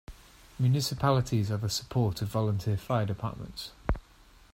Municipalities are the support of volunteer fire departments.